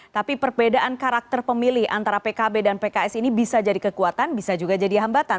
tapi perbedaan karakter pemilih antara pkb dan pks ini bisa jadi kekuatan bisa juga jadi hambatan